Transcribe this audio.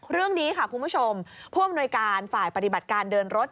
เรื่องนี้ค่ะคุณผู้ชมผู้อำนวยการฝ่ายปฏิบัติการเดินรถ